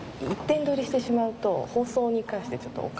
一点撮りしてしまうと放送に関してチョット。